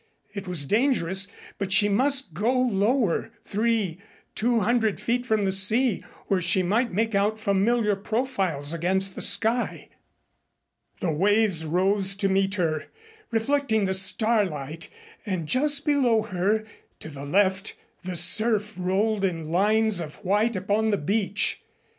It was dangerous, but she must go lower three two hundred feet from the sea, where she might make out familiar profiles against the sky. The waves rose to meet her, reflecting the starlight, and just below her to the left the surf rolled in lines of white upon the beach.